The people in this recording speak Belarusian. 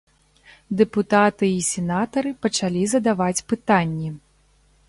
Дэпутаты і сенатары пачалі задаваць пытанні.